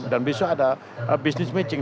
dan besok ada business meeting